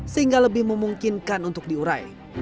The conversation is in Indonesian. sehingga lebih memungkinkan untuk diurai